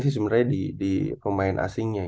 sebenernya di pemain asingnya